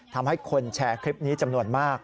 ทำให้คนแชร์คลิปนี้จำนวนมาก